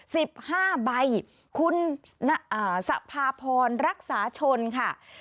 สิบห้าใบคุณอ่าสภาพรรักษาชนค่ะ